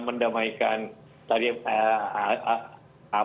tidak mungkin kita berusaha mendamaikan